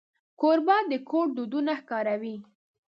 کوربه د کور دودونه ښکاروي.